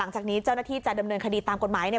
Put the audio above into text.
จากนี้เจ้าหน้าที่จะดำเนินคดีตามกฎหมาย